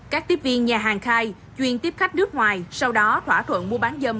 các tiếp viên nhà hàng khai chuyên tiếp khách nước ngoài sau đó thỏa thuận mua bán dâm